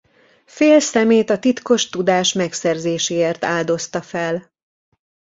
Fél szemét a titkos tudás megszerzéséért áldozta fel.